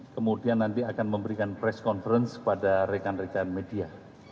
kemudian nanti akan memberikan press conference pada rekan rekan media